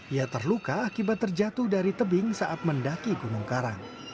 ia terluka akibat terjatuh dari tebing saat mendaki gunung karang